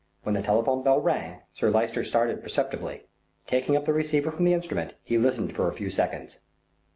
When the telephone bell rang, Sir Lyster started perceptibly. Taking up the receiver from the instrument he listened for a few seconds.